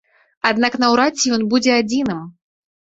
Аднак наўрад ці ён будзе адзіным.